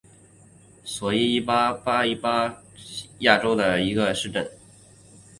伦索伊斯是巴西巴伊亚州的一个市镇。